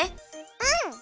うん！